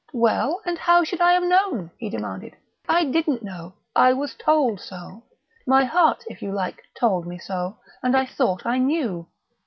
"Well, and how should I have known?" he demanded. "I didn't know. I was told so. My heart, if you like, told me so, and I thought I knew.